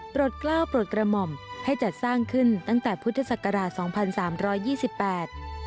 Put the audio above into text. ปรดกล้าวปรดกระหม่อมให้จัดสร้างขึ้นตั้งแต่พุทธศักราช๒๓๒๘